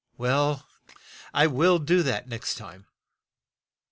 Well, I will do that next time."